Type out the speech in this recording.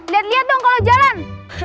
lihat dong kalau jalan